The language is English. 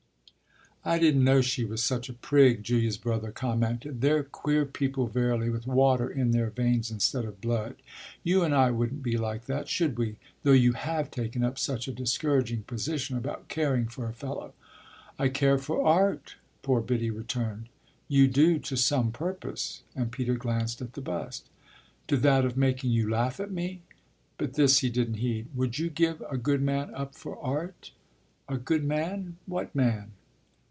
'" "I didn't know she was such a prig!" Julia's brother commented. "They're queer people, verily, with water in their veins instead of blood. You and I wouldn't be like that, should we? though you have taken up such a discouraging position about caring for a fellow." "I care for art," poor Biddy returned. "You do, to some purpose" and Peter glanced at the bust. "To that of making you laugh at me." But this he didn't heed. "Would you give a good man up for 'art'?" "A good man? What man?"